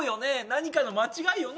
何かの間違いよね？